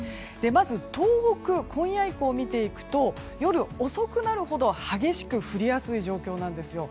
まず東北、今夜以降を見ていくと夜遅くなるほど激しく降りやすい状況なんです。